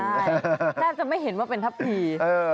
น่าจะไม่เห็นว่าเป็นทัพพี